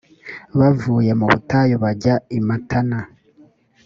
bavuye mu butayu bajya i matana.